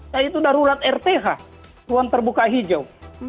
yaitu darurat rth ruang terbuka hijau